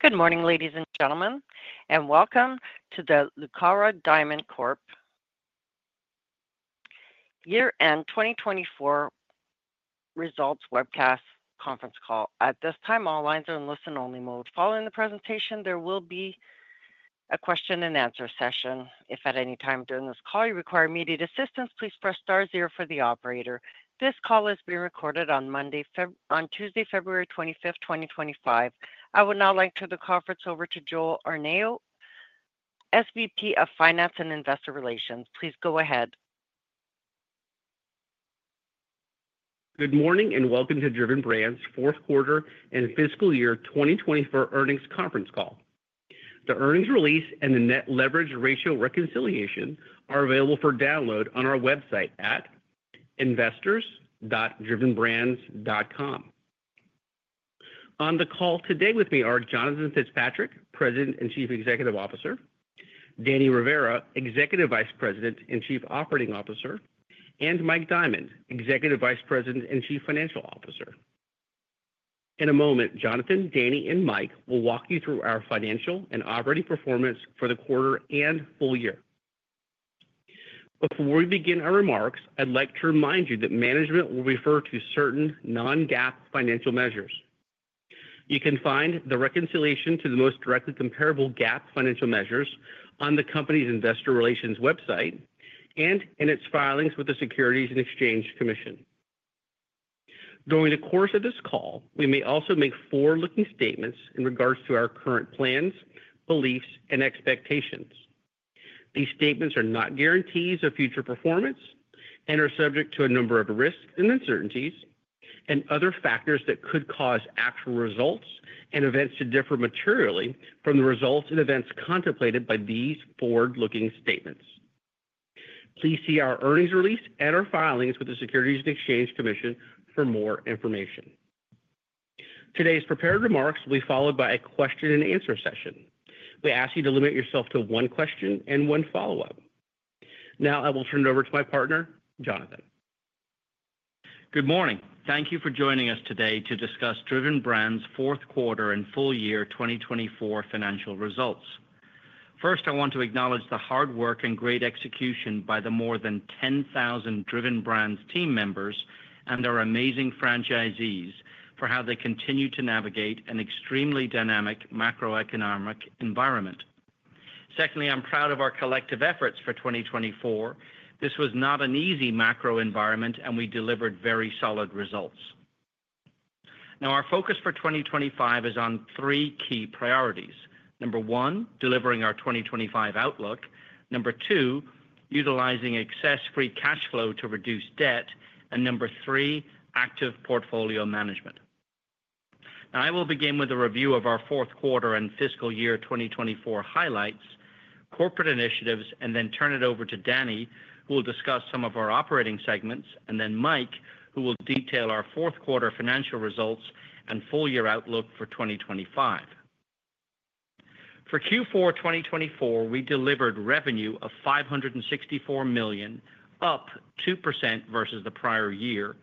Good morning, ladies and gentlemen, and welcome to the Driven Brands Year-end 2024 results webcast conference call. At this time, all lines are in listen-only mode. Following the presentation, there will be a question-and-answer session. If at any time during this call you require immediate assistance, please press * zero for the operator. This call is being recorded on Tuesday, February 25th, 2025. I would now like to turn the conference over to Joel Arnao, SVP of Finance and Investor Relations. Please go ahead. Good morning and welcome to Driven Brands' fourth quarter and fiscal year 2024 earnings conference call. The earnings release and the net leverage ratio reconciliation are available for download on our website at investors.drivenbrands.com. On the call today with me are Jonathan Fitzpatrick, President and Chief Executive Officer, Danny Rivera, Executive Vice President and Chief Operating Officer, and Mike Diamond, Executive Vice President and Chief Financial Officer. In a moment, Jonathan, Danny, and Mike will walk you through our financial and operating performance for the quarter and full year. Before we begin our remarks, I'd like to remind you that management will refer to certain non-GAAP financial measures. You can find the reconciliation to the most directly comparable GAAP financial measures on the company's Investor Relations website and in its filings with the Securities and Exchange Commission. During the course of this call, we may also make forward-looking statements in regards to our current plans, beliefs, and expectations. These statements are not guarantees of future performance and are subject to a number of risks and uncertainties and other factors that could cause actual results and events to differ materially from the results and events contemplated by these forward-looking statements. Please see our earnings release and our filings with the Securities and Exchange Commission for more information. Today's prepared remarks will be followed by a question-and-answer session. We ask you to limit yourself to one question and one follow-up. Now, I will turn it over to my partner, Jonathan. Good morning. Thank you for joining us today to discuss Driven Brands' fourth quarter and full year 2024 financial results. First, I want to acknowledge the hard work and great execution by the more than 10,000 Driven Brands team members and our amazing franchisees for how they continue to navigate an extremely dynamic macroeconomic environment. Secondly, I'm proud of our collective efforts for 2024. This was not an easy macro environment, and we delivered very solid results. Now, our focus for 2025 is on three key priorities. Number one, delivering our 2025 outlook. Number two, utilizing excess free cash flow to reduce debt. And number three, active portfolio management. Now, I will begin with a review of our fourth quarter and fiscal year 2024 highlights, corporate initiatives, and then turn it over to Danny, who will discuss some of our operating segments, and then Mike, who will detail our fourth quarter financial results and full year outlook for 2025. For Q4 2024, we delivered revenue of $564 million, up 2% versus the prior year,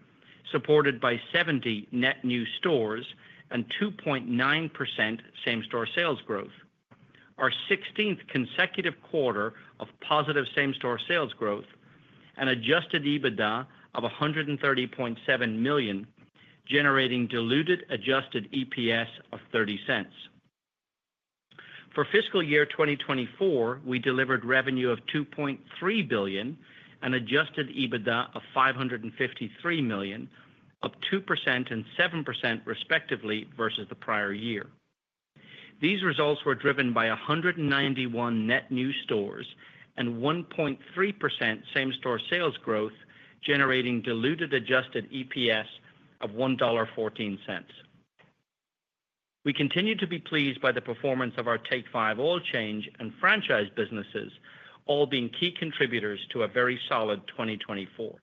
supported by 70 net new stores and 2.9% same-store sales growth, our 16th consecutive quarter of positive same-store sales growth, and Adjusted EBITDA of $130.7 million, generating diluted Adjusted EPS of $0.30. For fiscal year 2024, we delivered revenue of $2.3 billion and Adjusted EBITDA of $553 million, up 2% and 7% respectively versus the prior year. These results were driven by 191 net new stores and 1.3% same-store sales growth, generating diluted Adjusted EPS of $1.14. We continue to be pleased by the performance of our Take 5 Oil Change and franchise businesses, all being key contributors to a very solid 2024.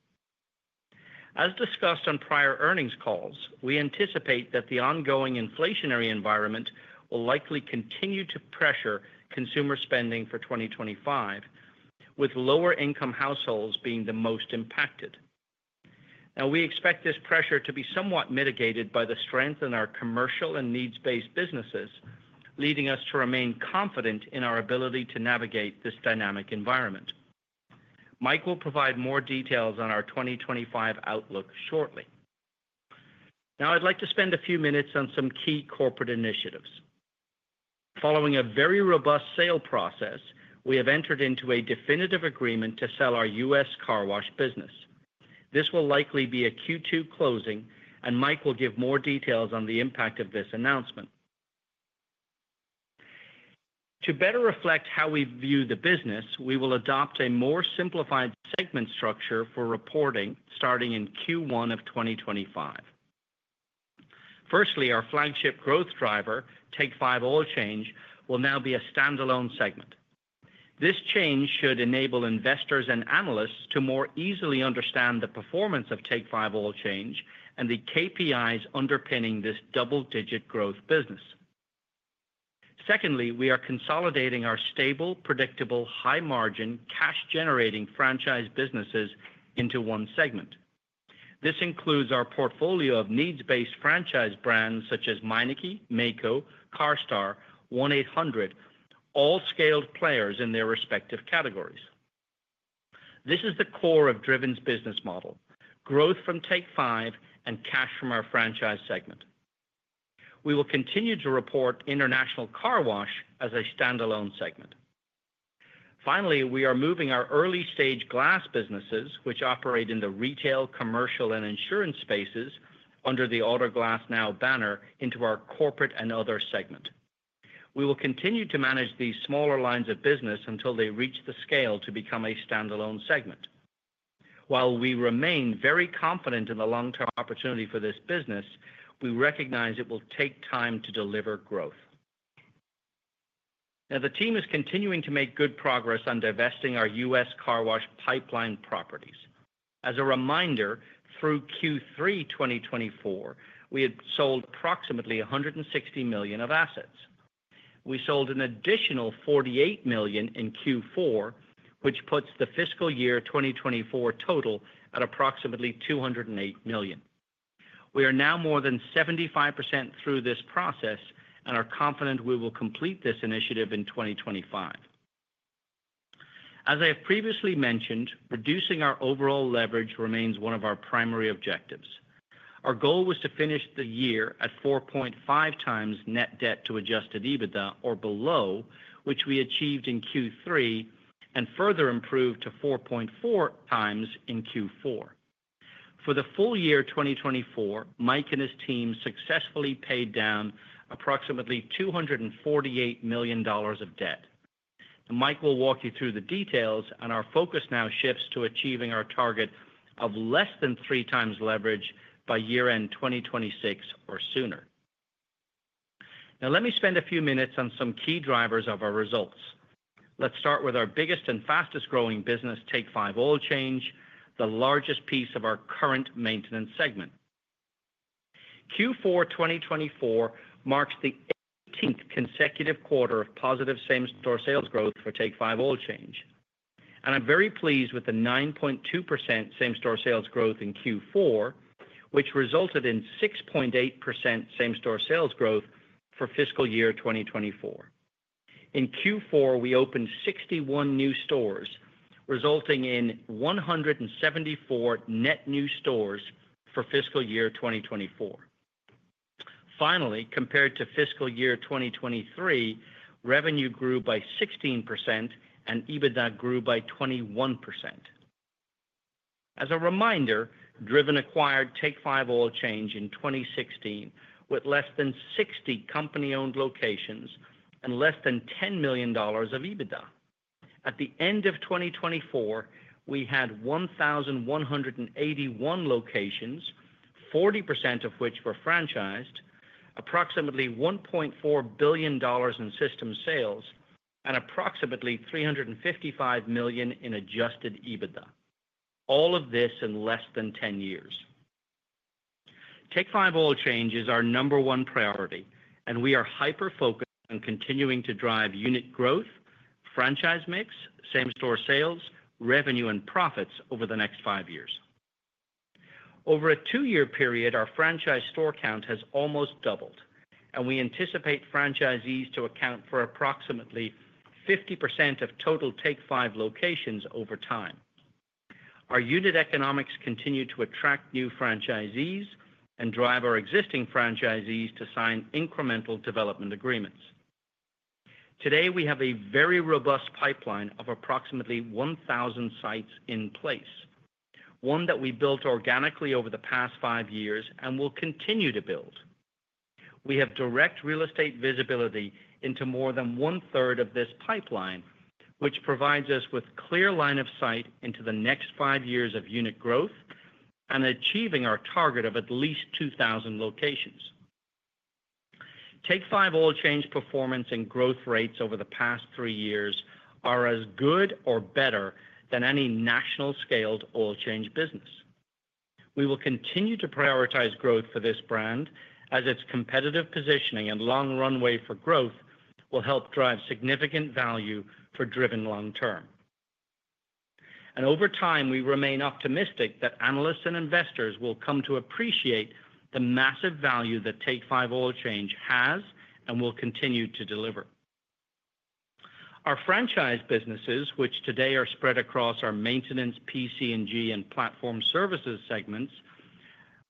As discussed on prior earnings calls, we anticipate that the ongoing inflationary environment will likely continue to pressure consumer spending for 2025, with lower-income households being the most impacted. Now, we expect this pressure to be somewhat mitigated by the strength in our commercial and needs-based businesses, leading us to remain confident in our ability to navigate this dynamic environment. Mike will provide more details on our 2025 outlook shortly. Now, I'd like to spend a few minutes on some key corporate initiatives. Following a very robust sale process, we have entered into a definitive agreement to sell our U.S. car wash business. This will likely be a Q2 closing, and Mike will give more details on the impact of this announcement. To better reflect how we view the business, we will adopt a more simplified segment structure for reporting starting in Q1 of 2025. Firstly, our flagship growth driver, Take 5 Oil Change, will now be a standalone segment. This change should enable investors and analysts to more easily understand the performance of Take 5 Oil Change and the KPIs underpinning this double-digit growth business. Secondly, we are consolidating our stable, predictable, high-margin, cash-generating franchise businesses into one segment. This includes our portfolio of needs-based franchise brands such as Meineke, Maaco, CARSTAR, 1-800, all scaled players in their respective categories. This is the core of Driven's business model: growth from Take 5 and cash from our franchise segment. We will continue to report international car wash as a standalone segment. Finally, we are moving our early-stage glass businesses, which operate in the retail, commercial, and insurance spaces under the Autoglass Now banner, into our corporate and other segment. We will continue to manage these smaller lines of business until they reach the scale to become a standalone segment. While we remain very confident in the long-term opportunity for this business, we recognize it will take time to deliver growth. Now, the team is continuing to make good progress on divesting our U.S. car wash pipeline properties. As a reminder, through Q3 2024, we had sold approximately $160 million of assets. We sold an additional $48 million in Q4, which puts the fiscal year 2024 total at approximately $208 million. We are now more than 75% through this process and are confident we will complete this initiative in 2025. As I have previously mentioned, reducing our overall leverage remains one of our primary objectives. Our goal was to finish the year at 4.5 times net debt to adjusted EBITDA or below, which we achieved in Q3 and further improved to 4.4 times in Q4. For the full year 2024, Mike and his team successfully paid down approximately $248 million of debt. Mike will walk you through the details, and our focus now shifts to achieving our target of less than three times leverage by year-end 2026 or sooner. Now, let me spend a few minutes on some key drivers of our results. Let's start with our biggest and fastest-growing business, Take 5 Oil Change, the largest piece of our current maintenance segment. Q4 2024 marks the 18th consecutive quarter of positive same-store sales growth for Take 5 Oil Change. I'm very pleased with the 9.2% same-store sales growth in Q4, which resulted in 6.8% same-store sales growth for fiscal year 2024. In Q4, we opened 61 new stores, resulting in 174 net new stores for fiscal year 2024. Finally, compared to fiscal year 2023, revenue grew by 16% and EBITDA grew by 21%. As a reminder, Driven acquired Take 5 Oil Change in 2016 with less than 60 company-owned locations and less than $10 million of EBITDA. At the end of 2024, we had 1,181 locations, 40% of which were franchised, approximately $1.4 billion in system sales, and approximately $355 million in adjusted EBITDA. All of this in less than 10 years. Take 5 Oil Change is our number one priority, and we are hyper-focused on continuing to drive unit growth, franchise mix, same-store sales, revenue, and profits over the next five years. Over a two-year period, our franchise store count has almost doubled, and we anticipate franchisees to account for approximately 50% of total Take 5 locations over time. Our unit economics continue to attract new franchisees and drive our existing franchisees to sign incremental development agreements. Today, we have a very robust pipeline of approximately 1,000 sites in place, one that we built organically over the past five years and will continue to build. We have direct real estate visibility into more than one-third of this pipeline, which provides us with a clear line of sight into the next five years of unit growth and achieving our target of at least 2,000 locations. Take 5 Oil Change performance and growth rates over the past three years are as good or better than any national-scaled oil change business. We will continue to prioritize growth for this brand as its competitive positioning and long runway for growth will help drive significant value for Driven long-term, and over time, we remain optimistic that analysts and investors will come to appreciate the massive value that Take 5 Oil Change has and will continue to deliver. Our franchise businesses, which today are spread across our maintenance, PC&G, and platform services segments,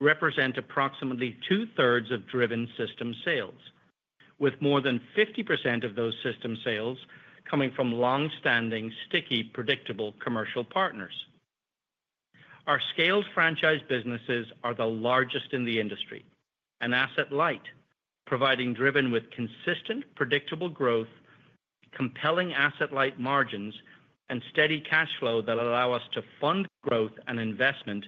represent approximately two-thirds of Driven system sales, with more than 50% of those system sales coming from long-standing, sticky, predictable commercial partners. Our scaled franchise businesses are the largest in the industry, an asset-light, providing Driven with consistent, predictable growth, compelling asset-light margins, and steady cash flow that allow us to fund growth and investment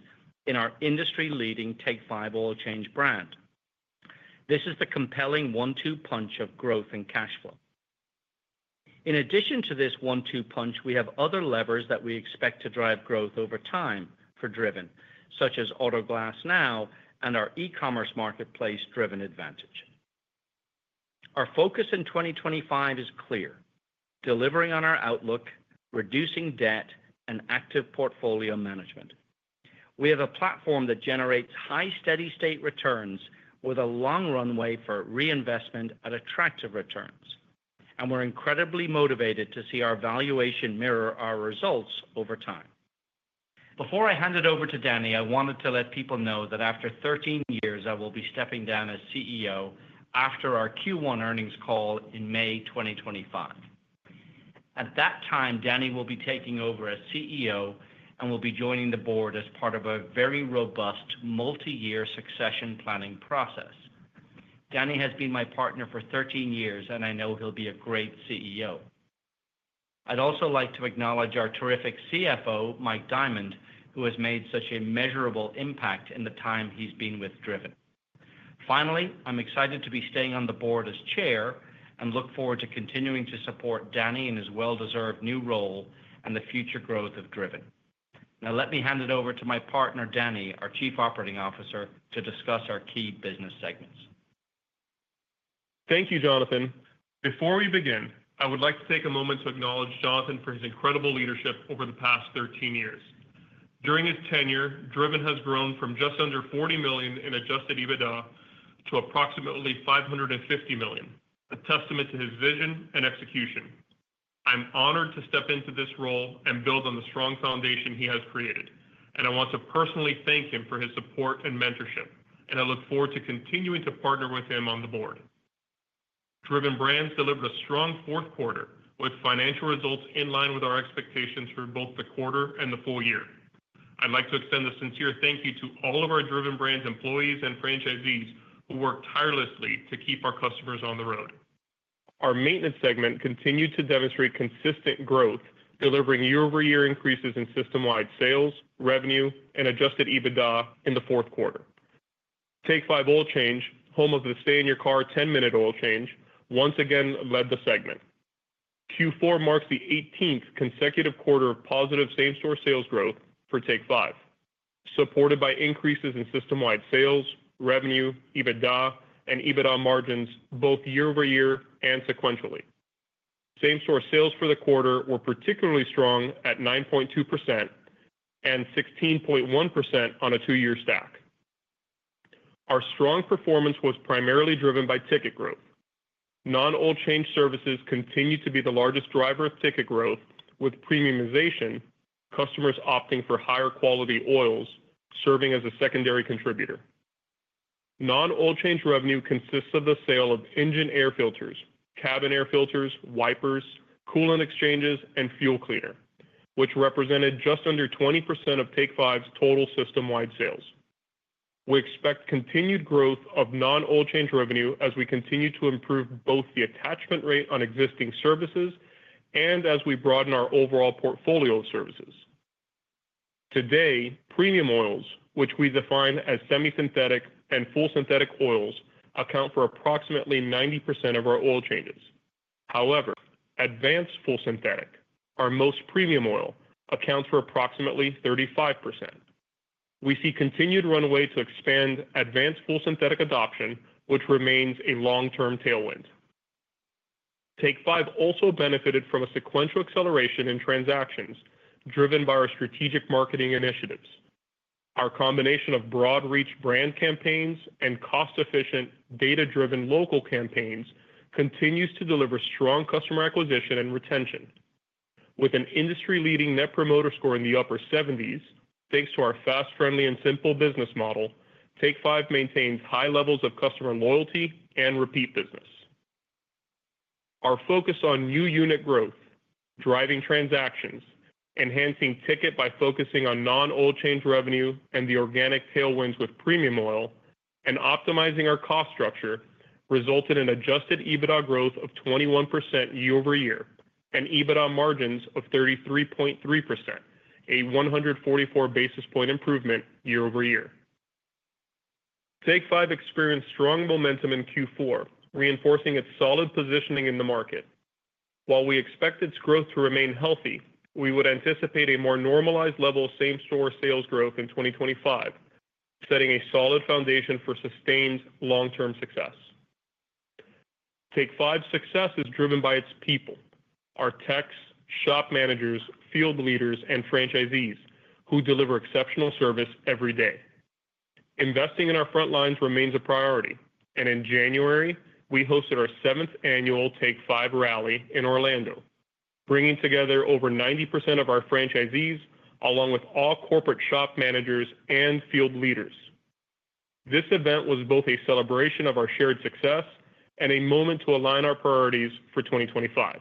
in our industry-leading Take 5 Oil Change brand. This is the compelling one-two punch of growth and cash flow. In addition to this one-two punch, we have other levers that we expect to drive growth over time for Driven, such as Autoglass Now and our e-commerce marketplace Driven Advantage. Our focus in 2025 is clear: delivering on our outlook, reducing debt, and active portfolio management. We have a platform that generates high steady-state returns with a long runway for reinvestment at attractive returns, and we're incredibly motivated to see our valuation mirror our results over time. Before I hand it over to Danny, I wanted to let people know that after 13 years, I will be stepping down as CEO after our Q1 earnings call in May 2025. At that time, Danny will be taking over as CEO and will be joining the board as part of a very robust multi-year succession planning process. Danny has been my partner for 13 years, and I know he'll be a great CEO. I'd also like to acknowledge our terrific CFO, Mike Diamond, who has made such a measurable impact in the time he's been with Driven. Finally, I'm excited to be staying on the board as chair and look forward to continuing to support Danny in his well-deserved new role and the future growth of Driven. Now, let me hand it over to my partner, Danny, our Chief Operating Officer, to discuss our key business segments. Thank you, Jonathan. Before we begin, I would like to take a moment to acknowledge Jonathan for his incredible leadership over the past 13 years. During his tenure, Driven has grown from just under $40 million in adjusted EBITDA to approximately $550 million, a testament to his vision and execution. I'm honored to step into this role and build on the strong foundation he has created, and I want to personally thank him for his support and mentorship, and I look forward to continuing to partner with him on the board. Driven Brands delivered a strong fourth quarter with financial results in line with our expectations for both the quarter and the full year. I'd like to extend a sincere thank you to all of our Driven Brands employees and franchisees who work tirelessly to keep our customers on the road. Our maintenance segment continued to demonstrate consistent growth, delivering year-over-year increases in system-wide sales, revenue, and Adjusted EBITDA in the fourth quarter. Take 5 Oil Change, home of the stay-in-your-car 10-minute oil change, once again led the segment. Q4 marks the 18th consecutive quarter of positive same-store sales growth for Take 5, supported by increases in system-wide sales, revenue, EBITDA, and EBITDA margins both year-over-year and sequentially. Same-store sales for the quarter were particularly strong at 9.2% and 16.1% on a two-year stack. Our strong performance was primarily driven by ticket growth. Non-oil change services continued to be the largest driver of ticket growth, with premiumization, customers opting for higher quality oils serving as a secondary contributor. Non-oil change revenue consists of the sale of engine air filters, cabin air filters, wipers, coolant exchanges, and fuel cleaner, which represented just under 20% of Take 5's total system-wide sales. We expect continued growth of non-oil change revenue as we continue to improve both the attachment rate on existing services and as we broaden our overall portfolio of services. Today, premium oils, which we define as semi-synthetic and full synthetic oils, account for approximately 90% of our oil changes. However, advanced full synthetic, our most premium oil, accounts for approximately 35%. We see continued runway to expand advanced full synthetic adoption, which remains a long-term tailwind. Take Five also benefited from a sequential acceleration in transactions driven by our strategic marketing initiatives. Our combination of broad-reach brand campaigns and cost-efficient, data-driven local campaigns continues to deliver strong customer acquisition and retention. With an industry-leading net promoter score in the upper 70s, thanks to our fast, friendly, and simple business model, Take Five maintains high levels of customer loyalty and repeat business. Our focus on new unit growth, driving transactions, enhancing ticket by focusing on non-oil change revenue and the organic tailwinds with premium oil, and optimizing our cost structure resulted in adjusted EBITDA growth of 21% year-over-year and EBITDA margins of 33.3%, a 144 basis points improvement year-over-year. Take 5 experienced strong momentum in Q4, reinforcing its solid positioning in the market. While we expect its growth to remain healthy, we would anticipate a more normalized level of same-store sales growth in 2025, setting a solid foundation for sustained long-term success. Take 5's success is driven by its people: our techs, shop managers, field leaders, and franchisees who deliver exceptional service every day. Investing in our front lines remains a priority, and in January, we hosted our seventh annual Take 5 Rally in Orlando, bringing together over 90% of our franchisees along with all corporate shop managers and field leaders. This event was both a celebration of our shared success and a moment to align our priorities for 2025.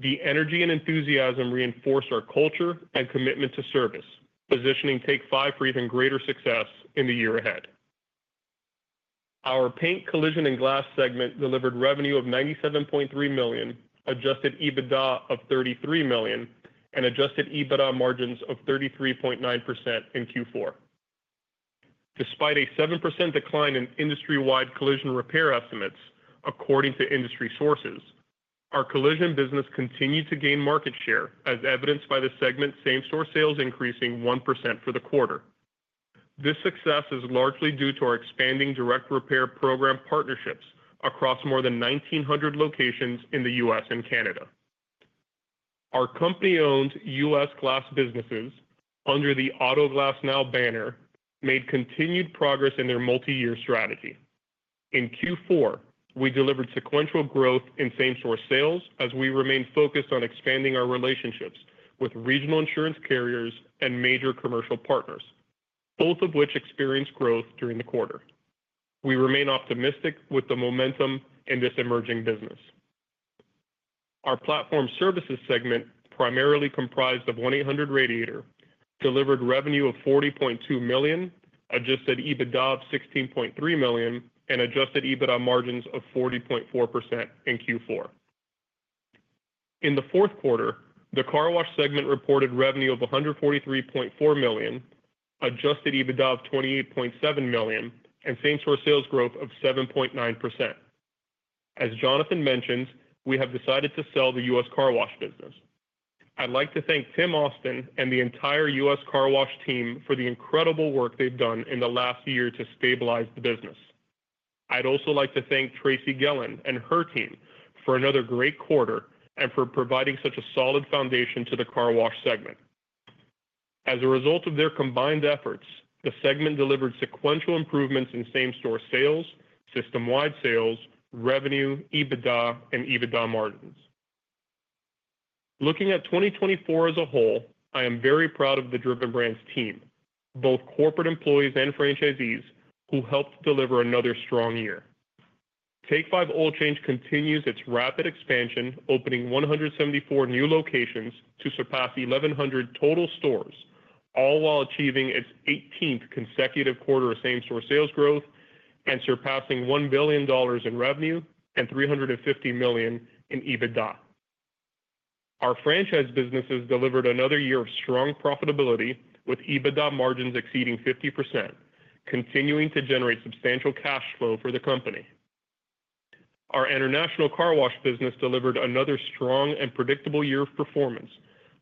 The energy and enthusiasm reinforced our culture and commitment to service, positioning Take 5 for even greater success in the year ahead. Our paint, collision, and glass segment delivered revenue of $97.3 million, Adjusted EBITDA of $33 million, and Adjusted EBITDA margins of 33.9% in Q4. Despite a 7% decline in industry-wide collision repair estimates, according to industry sources, our collision business continued to gain market share, as evidenced by the segment same-store sales increasing 1% for the quarter. This success is largely due to our expanding direct repair program partnerships across more than 1,900 locations in the U.S. and Canada. Our company-owned U.S. glass businesses under the Autoglass Now banner made continued progress in their multi-year strategy. In Q4, we delivered sequential growth in same-store sales as we remained focused on expanding our relationships with regional insurance carriers and major commercial partners, both of which experienced growth during the quarter. We remain optimistic with the momentum in this emerging business. Our platform services segment, primarily comprised of 1-800-Radiator & A/C, delivered revenue of $40.2 million, Adjusted EBITDA of $16.3 million, and Adjusted EBITDA margins of 40.4% in Q4. In the fourth quarter, the car wash segment reported revenue of $143.4 million, Adjusted EBITDA of $28.7 million, and same-store sales growth of 7.9%. As Jonathan mentioned, we have decided to sell the U.S. car wash business. I'd like to thank Tim Austin and the entire U.S. car wash team for the incredible work they've done in the last year to stabilize the business. I'd also like to thank Tracy Gillon and her team for another great quarter and for providing such a solid foundation to the car wash segment. As a result of their combined efforts, the segment delivered sequential improvements in same-store sales, system-wide sales, revenue, EBITDA, and EBITDA margins. Looking at 2024 as a whole, I am very proud of the Driven Brands team, both corporate employees and franchisees who helped deliver another strong year. Take 5 Oil Change continues its rapid expansion, opening 174 new locations to surpass 1,100 total stores, all while achieving its 18th consecutive quarter of same-store sales growth and surpassing $1 billion in revenue and $350 million in EBITDA. Our franchise businesses delivered another year of strong profitability with EBITDA margins exceeding 50%, continuing to generate substantial cash flow for the company. Our international car wash business delivered another strong and predictable year of performance,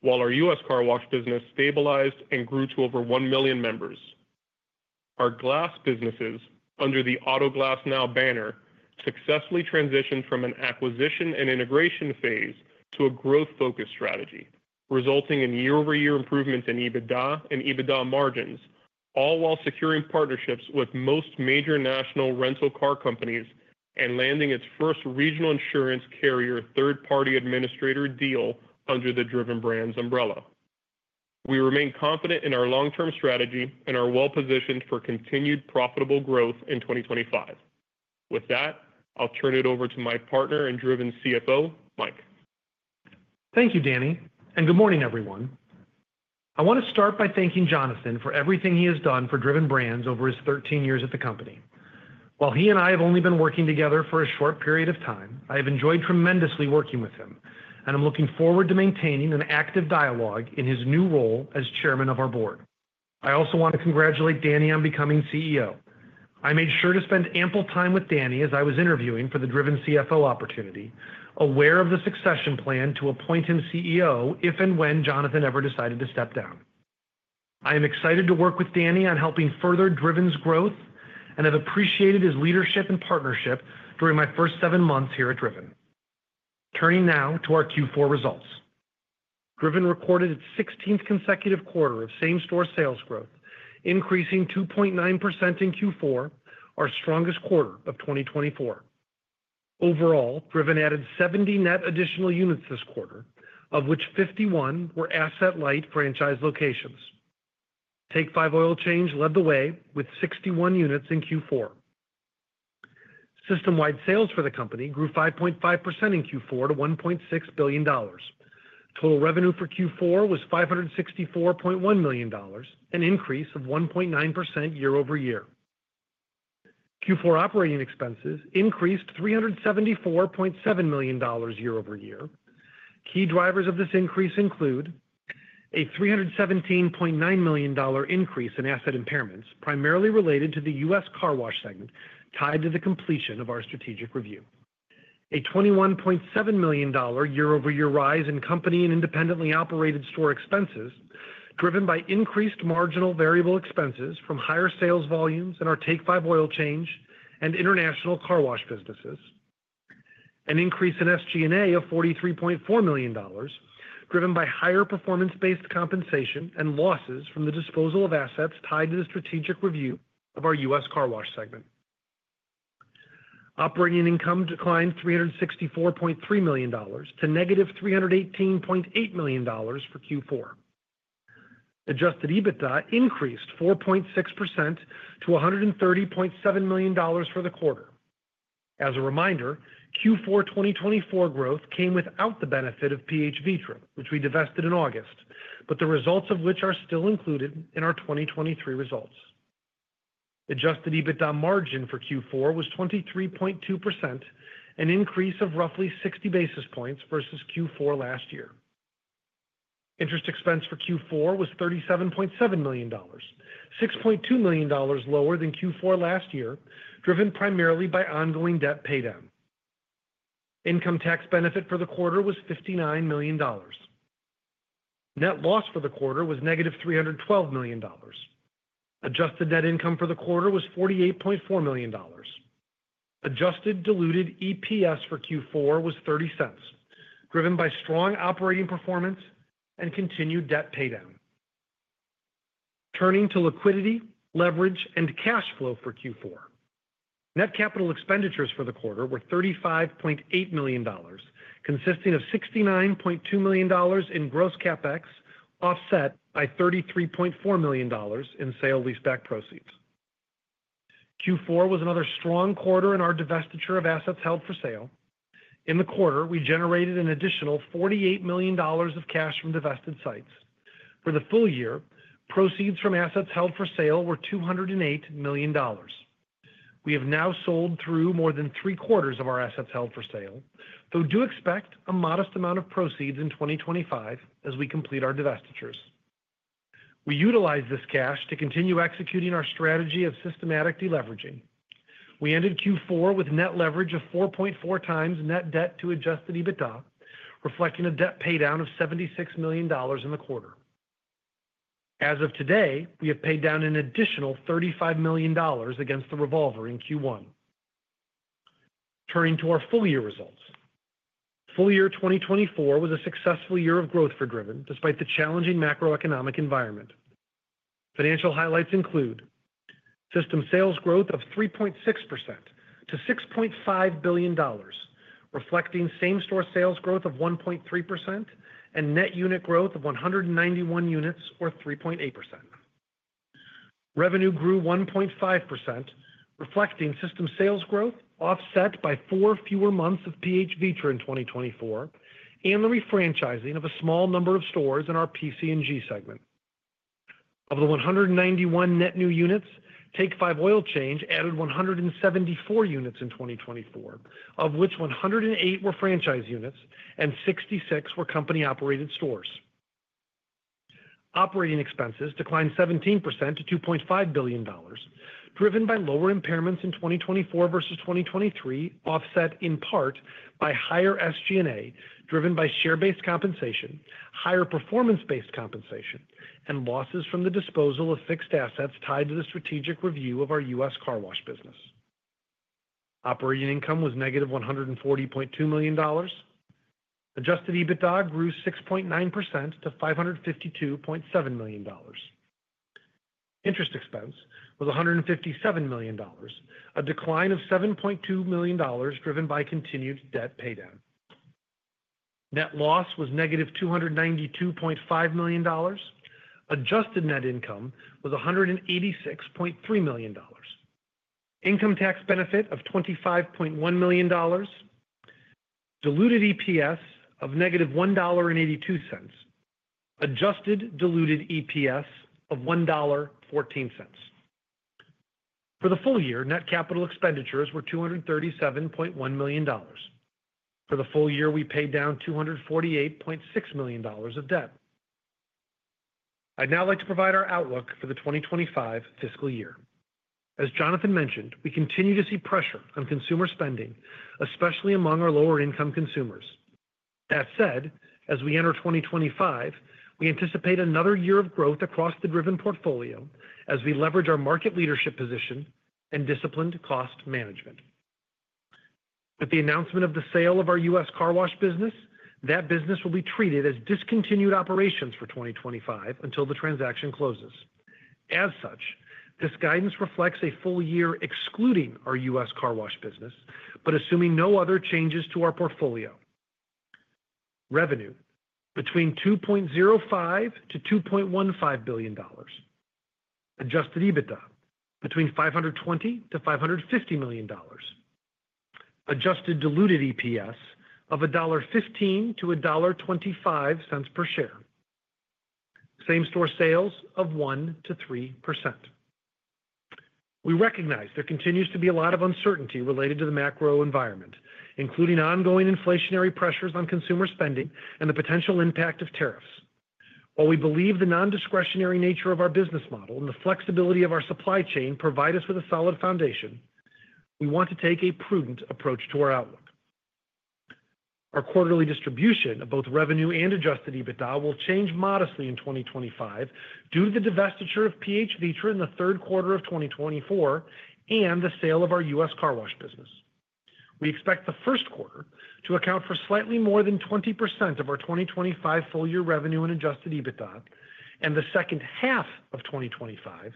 while our U.S. car wash business stabilized and grew to over 1 million members. Our glass businesses, under the Autoglass Now banner, successfully transitioned from an acquisition and integration phase to a growth-focused strategy, resulting in year-over-year improvements in EBITDA and EBITDA margins, all while securing partnerships with most major national rental car companies and landing its first regional insurance carrier third-party administrator deal under the Driven Brands umbrella. We remain confident in our long-term strategy and are well-positioned for continued profitable growth in 2025. With that, I'll turn it over to my partner and Driven CFO, Mike. Thank you, Danny, and good morning, everyone. I want to start by thanking Jonathan for everything he has done for Driven Brands over his 13 years at the company. While he and I have only been working together for a short period of time, I have enjoyed tremendously working with him, and I'm looking forward to maintaining an active dialogue in his new role as chairman of our board. I also want to congratulate Danny on becoming CEO. I made sure to spend ample time with Danny as I was interviewing for the Driven CFO opportunity, aware of the succession plan to appoint him CEO if and when Jonathan ever decided to step down. I am excited to work with Danny on helping further Driven's growth and have appreciated his leadership and partnership during my first seven months here at Driven. Turning now to our Q4 results. Driven recorded its 16th consecutive quarter of same-store sales growth, increasing 2.9% in Q4, our strongest quarter of 2024. Overall, Driven added 70 net additional units this quarter, of which 51 were asset-light franchise locations. Take 5 Oil Change led the way with 61 units in Q4. System-wide sales for the company grew 5.5% in Q4 to $1.6 billion. Total revenue for Q4 was $564.1 million, an increase of 1.9% year-over-year. Q4 operating expenses increased $374.7 million year-over-year. Key drivers of this increase include a $317.9 million increase in asset impairments, primarily related to the U.S. car wash segment tied to the completion of our strategic review, a $21.7 million year-over-year rise in company and independently operated store expenses driven by increased marginal variable expenses from higher sales volumes in our Take 5 Oil Change and international car wash businesses, an increase in SG&A of $43.4 million driven by higher performance-based compensation and losses from the disposal of assets tied to the strategic review of our U.S. Car wash segment. Operating income declined $364.3 million to negative $318.8 million for Q4. Adjusted EBITDA increased 4.6% to $130.7 million for the quarter. As a reminder, Q4 2024 growth came without the benefit of PH Vitres, which we divested in August, but the results of which are still included in our 2023 results. Adjusted EBITDA margin for Q4 was 23.2%, an increase of roughly 60 basis points versus Q4 last year. Interest expense for Q4 was $37.7 million, $6.2 million lower than Q4 last year, driven primarily by ongoing debt paydown. Income tax benefit for the quarter was $59 million. Net loss for the quarter was negative $312 million. Adjusted net income for the quarter was $48.4 million. Adjusted diluted EPS for Q4 was $0.30, driven by strong operating performance and continued debt paydown. Turning to liquidity, leverage, and cash flow for Q4, net capital expenditures for the quarter were $35.8 million, consisting of $69.2 million in gross CapEx offset by $33.4 million in sale lease-back proceeds. Q4 was another strong quarter in our divestiture of assets held for sale. In the quarter, we generated an additional $48 million of cash from divested sites. For the full year, proceeds from assets held for sale were $208 million. We have now sold through more than three quarters of our assets held for sale, though do expect a modest amount of proceeds in 2025 as we complete our divestitures. We utilize this cash to continue executing our strategy of systematic deleveraging. We ended Q4 with net leverage of 4.4 times net debt to Adjusted EBITDA, reflecting a debt paydown of $76 million in the quarter. As of today, we have paid down an additional $35 million against the revolver in Q1. Turning to our full year results, full year 2024 was a successful year of growth for Driven despite the challenging macroeconomic environment. Financial highlights include system sales growth of 3.6% to $6.5 billion, reflecting same-store sales growth of 1.3% and net unit growth of 191 units or 3.8%. Revenue grew 1.5%, reflecting system sales growth offset by four fewer months of PH Vitres in 2024 and the refranchising of a small number of stores in our PC&G segment. Of the 191 net new units, Take 5 Oil Change added 174 units in 2024, of which 108 were franchise units and 66 were company-operated stores. Operating expenses declined 17% to $2.5 billion, driven by lower impairments in 2024 versus 2023, offset in part by higher SG&A driven by share-based compensation, higher performance-based compensation, and losses from the disposal of fixed assets tied to the strategic review of our U.S. car wash business. Operating income was negative $140.2 million. Adjusted EBITDA grew 6.9% to $552.7 million. Interest expense was $157 million, a decline of $7.2 million driven by continued debt paydown. Net loss was negative $292.5 million. Adjusted net income was $186.3 million. Income tax benefit of $25.1 million. Diluted EPS of negative $1.82. Adjusted diluted EPS of $1.14. For the full year, net capital expenditures were $237.1 million. For the full year, we paid down $248.6 million of debt. I'd now like to provide our outlook for the 2025 fiscal year. As Jonathan mentioned, we continue to see pressure on consumer spending, especially among our lower-income consumers. That said, as we enter 2025, we anticipate another year of growth across the Driven portfolio as we leverage our market leadership position and disciplined cost management. With the announcement of the sale of our U.S. car wash business, that business will be treated as discontinued operations for 2025 until the transaction closes. As such, this guidance reflects a full year excluding our U.S. car wash business, but assuming no other changes to our portfolio. Revenue between $2.05-$2.15 billion. Adjusted EBITDA between $520-$550 million. Adjusted diluted EPS of $1.15-$1.25 per share. Same-store sales of 1%-3%. We recognize there continues to be a lot of uncertainty related to the macro environment, including ongoing inflationary pressures on consumer spending and the potential impact of tariffs. While we believe the non-discretionary nature of our business model and the flexibility of our supply chain provide us with a solid foundation, we want to take a prudent approach to our outlook. Our quarterly distribution of both revenue and adjusted EBITDA will change modestly in 2025 due to the divestiture of PH Vitres in the third quarter of 2024 and the sale of our U.S. car wash business. We expect the Q1 to account for slightly more than 20% of our 2025 full-year revenue and adjusted EBITDA, and the second half of 2025 to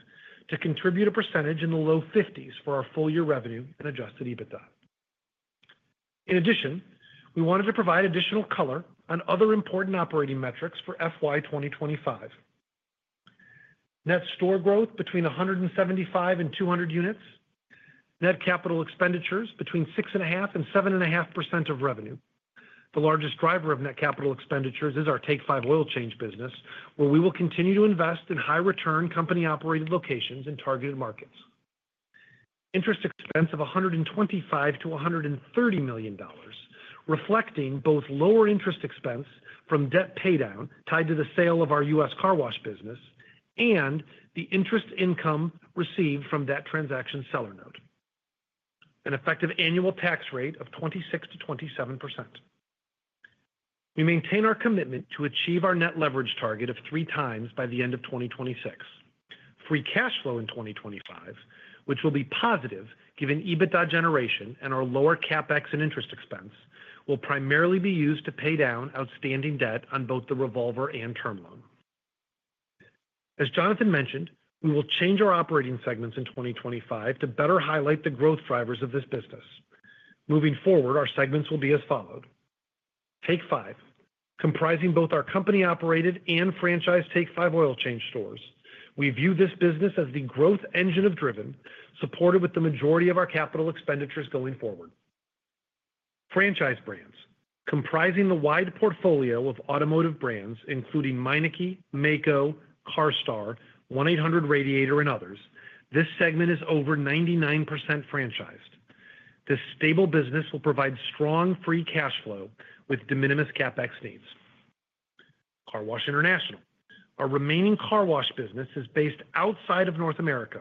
contribute a percentage in the low 50s% for our full-year revenue and adjusted EBITDA. In addition, we wanted to provide additional color on other important operating metrics for FY 2025. Net store growth between 175 and 200 units. Net capital expenditures between 6.5% and 7.5% of revenue. The largest driver of net capital expenditures is our Take Five Oil Change business, where we will continue to invest in high-return company-operated locations in targeted markets. Interest expense of $125-$130 million, reflecting both lower interest expense from debt paydown tied to the sale of our U.S. car wash business and the interest income received from that transaction seller note. An effective annual tax rate of 26%-27%. We maintain our commitment to achieve our net leverage target of three times by the end of 2026. Free cash flow in 2025, which will be positive given EBITDA generation and our lower CapEx and interest expense, will primarily be used to pay down outstanding debt on both the revolver and term loan. As Jonathan mentioned, we will change our operating segments in 2025 to better highlight the growth drivers of this business. Moving forward, our segments will be as follows. Take 5, comprising both our company-operated and franchised Take 5 Oil Change stores, we view this business as the growth engine of Driven, supported with the majority of our capital expenditures going forward. Franchise Brands, comprising the wide portfolio of automotive brands, including Meineke, Maaco, CARSTAR, 1-800-Radiator, and others, this segment is over 99% franchised. This stable business will provide strong free cash flow with de minimis CapEx needs. CarWash International, our remaining car wash business, is based outside of North America.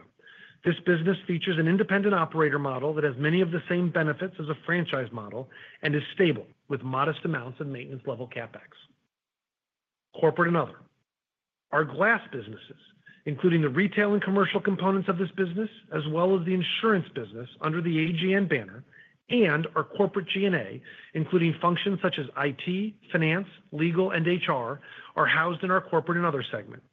This business features an independent operator model that has many of the same benefits as a franchise model and is stable with modest amounts of maintenance-level CapEx. Corporate and Other, our glass businesses, including the retail and commercial components of this business, as well as the insurance business under the AGN banner, and our corporate G&A, including functions such as IT, finance, legal, and HR, are housed in our corporate and other segment.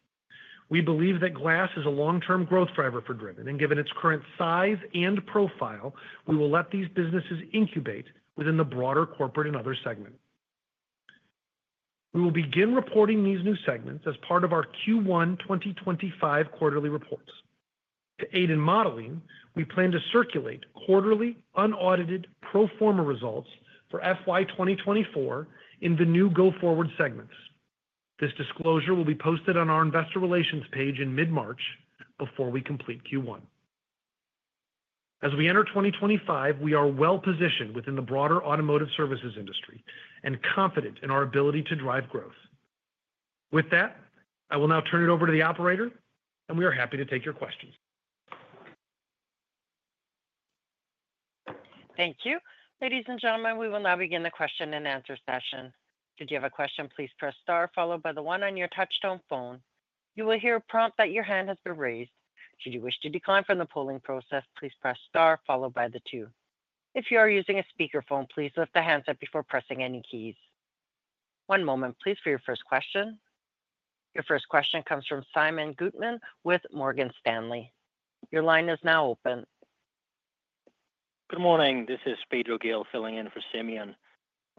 We believe that glass is a long-term growth driver for Driven, and given its current size and profile, we will let these businesses incubate within the broader corporate and other segment. We will begin reporting these new segments as part of our Q1 2025 quarterly reports. To aid in modeling, we plan to circulate quarterly unaudited pro forma results for FY 2024 in the new Go Forward segments. This disclosure will be posted on our investor relations page in mid-March before we complete Q1. As we enter 2025, we are well-positioned within the broader automotive services industry and confident in our ability to drive growth. With that, I will now turn it over to the operator, and we are happy to take your questions. Thank you. Ladies and gentlemen, we will now begin the question and answer session. Should you have a question, please press *, followed by the one on your touch-tone phone. You will hear a prompt that your hand has been raised. Should you wish to decline from the polling process, please press *, followed by the two. If you are using a speakerphone, please lift the handset up before pressing any keys. One moment, please, for your first question. Your first question comes from Simeon Gutman with Morgan Stanley. Your line is now open. Good morning. This is Pedro Gale filling in for Simeon.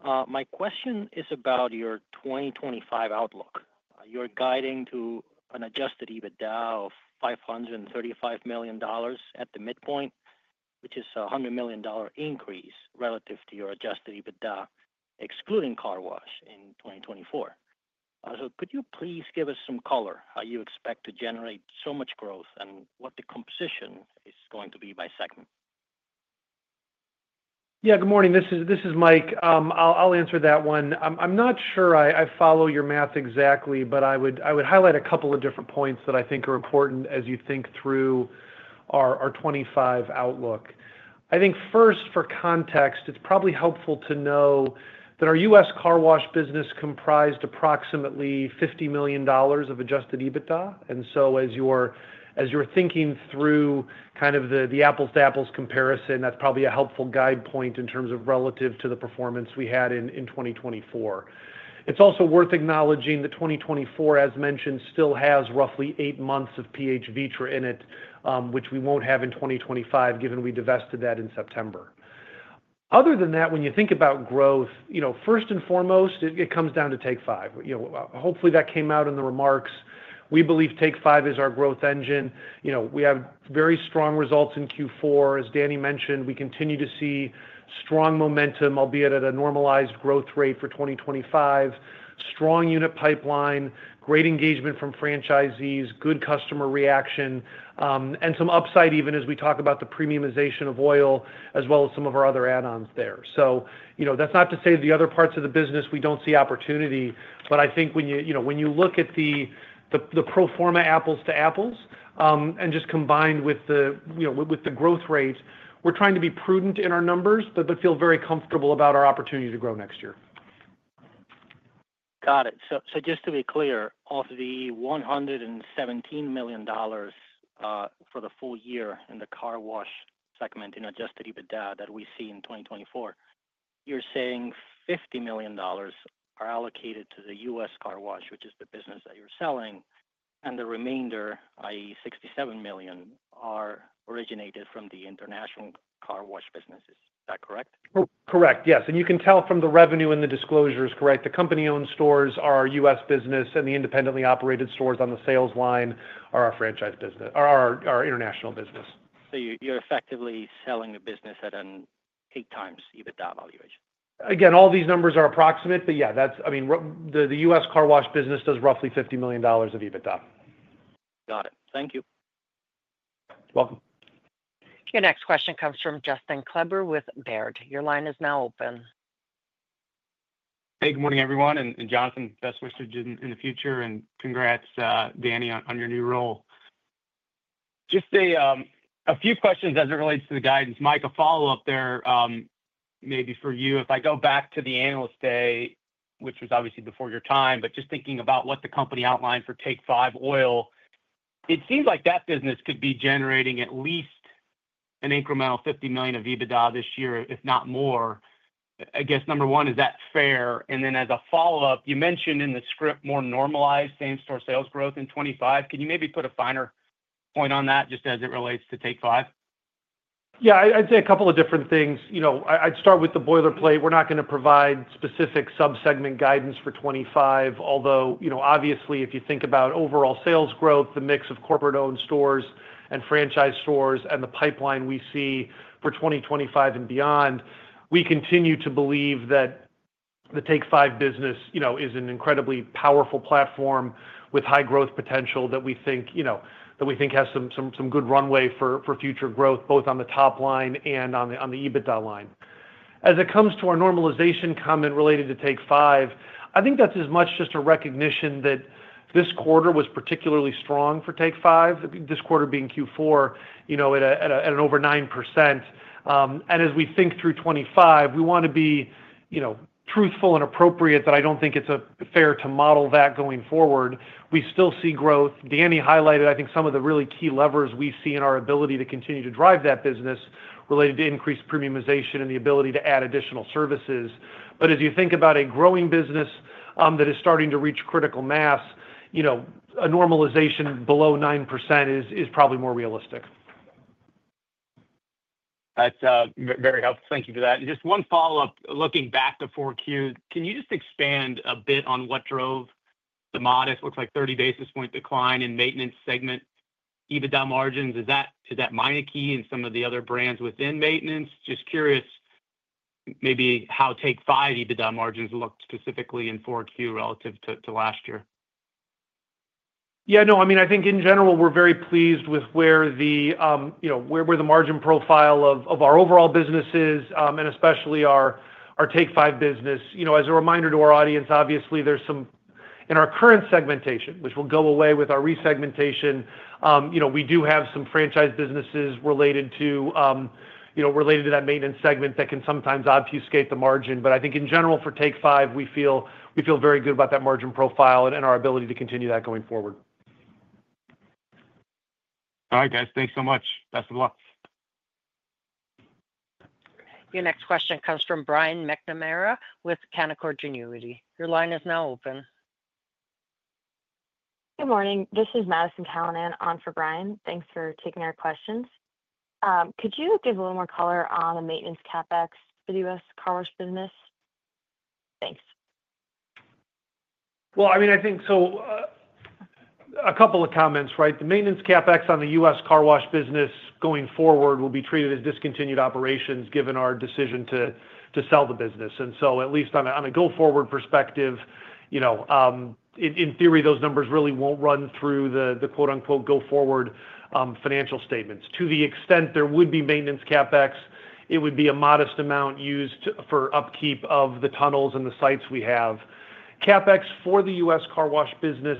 My question is about your 2025 outlook. You're guiding to an adjusted EBITDA of $535 million at the midpoint, which is a $100 million increase relative to your adjusted EBITDA, excluding car wash in 2024. So could you please give us some color how you expect to generate so much growth and what the composition is going to be by segment? Yeah, good morning. This is Mike. I'll answer that one. I'm not sure I follow your math exactly, but I would highlight a couple of different points that I think are important as you think through our 2025 outlook. I think first, for context, it's probably helpful to know that our U.S. car wash business comprised approximately $50 million of adjusted EBITDA. And so as you're thinking through kind of the apples-to-apples comparison, that's probably a helpful guide point in terms of relative to the performance we had in 2024. It's also worth acknowledging that 2024, as mentioned, still has roughly eight months of PH Vitres in it, which we won't have in 2025, given we divested that in September. Other than that, when you think about growth, first and foremost, it comes down to Take 5. Hopefully, that came out in the remarks. We believe Take 5 is our growth engine. We have very strong results in Q4. As Danny mentioned, we continue to see strong momentum, albeit at a normalized growth rate for 2025, strong unit pipeline, great engagement from franchisees, good customer reaction, and some upside even as we talk about the premiumization of oil, as well as some of our other add-ons there. So that's not to say the other parts of the business we don't see opportunity, but I think when you look at the pro forma apples-to-apples and just combined with the growth rate, we're trying to be prudent in our numbers, but feel very comfortable about our opportunity to grow next year. Got it. So just to be clear, of the $117 million for the full year in the car wash segment in Adjusted EBITDA that we see in 2024, you're saying $50 million are allocated to the U.S. car wash, which is the business that you're selling, and the remainder, i.e., $67 million, are originated from the international car wash businesses. Is that correct? Correct. Yes. And you can tell from the revenue and the disclosures, correct? The company-owned stores are U.S. business, and the independently operated stores on the sales line are our international business. So you're effectively selling the business at an eight-times EBITDA valuation. Again, all these numbers are approximate, but yeah, I mean, the U.S. car wash business does roughly $50 million of EBITDA. Got it. Thank you. You're welcome. Your next question comes from Justin Kleber with Baird. Your line is now open. Hey, good morning, everyone. And Jonathan, best wishes in the future, and congrats, Danny, on your new role. Just a few questions as it relates to the guidance. Mike, a follow-up there maybe for you. If I go back to the analyst day, which was obviously before your time, but just thinking about what the company outlined for Take Five Oil, it seems like that business could be generating at least an incremental $50 million of EBITDA this year, if not more. I guess, number one, is that fair? And then, as a follow-up, you mentioned in the script more normalized same-store sales growth in 2025. Can you maybe put a finer point on that just as it relates to Take 5? Yeah, I'd say a couple of different things. I'd start with the boilerplate. We're not going to provide specific subsegment guidance for 2025, although obviously, if you think about overall sales growth, the mix of corporate-owned stores and franchise stores and the pipeline we see for 2025 and beyond, we continue to believe that the Take 5 business is an incredibly powerful platform with high growth potential that we think has some good runway for future growth, both on the top line and on the EBITDA line. As it comes to our normalization comment related to Take 5, I think that's as much just a recognition that this quarter was particularly strong for Take 5, this quarter being Q4 at over 9%. And as we think through 2025, we want to be truthful and appropriate that I don't think it's fair to model that going forward. We still see growth. Danny highlighted, I think, some of the really key levers we see in our ability to continue to drive that business related to increased premiumization and the ability to add additional services. But as you think about a growing business that is starting to reach critical mass, a normalization below 9% is probably more realistic. That's very helpful. Thank you for that. Just one follow-up. Looking back to 4Q, can you just expand a bit on what drove the modest, looks like 30 basis points decline in maintenance segment EBITDA margins? Is that Meineke and some of the other brands within maintenance? Just curious, maybe how Take Five EBITDA margins looked specifically in 4Q relative to last year. Yeah. No, I mean, I think in general, we're very pleased with where the margin profile of our overall business is, and especially our Take Five business. As a reminder to our audience, obviously, there's some in our current segmentation, which will go away with our resegmentation. We do have some franchise businesses related to that maintenance segment that can sometimes obfuscate the margin. But I think in general, for Take Five, we feel very good about that margin profile and our ability to continue that going forward. All right, guys. Thanks so much. Best of luck. Your next question comes from Brian McNamara with Canaccord Genuity. Your line is now open. Good morning. This is Madison Callinan on for Brian. Thanks for taking our questions. Could you give a little more color on the maintenance CapEx for the U.S. car wash business? Thanks. Well, I mean, I think so a couple of comments, right? The maintenance CapEx on the U.S. car wash business going forward will be treated as discontinued operations given our decision to sell the business. And so at least on a go forward perspective, in theory, those numbers really won't run through the "go forward" financial statements. To the extent there would be maintenance CapEx, it would be a modest amount used for upkeep of the tunnels and the sites we have. CapEx for the U.S. Car wash business